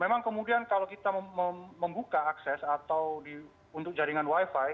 memang kemudian kalau kita membuka akses atau untuk jaringan wifi